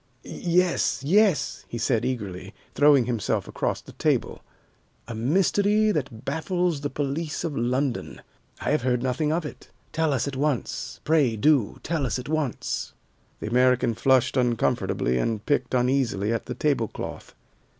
"Yes, yes," he said eagerly, throwing himself across the table. "A mystery that baffles the police of London. [Illustration: 05 "My name," he said, "is Sears."] "I have heard nothing of it. Tell us at once, pray do tell us at once." The American flushed uncomfortably, and picked uneasily at the tablecloth.